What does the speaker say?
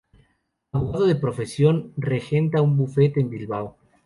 Abogado de profesión, regenta un bufete en Bilbao.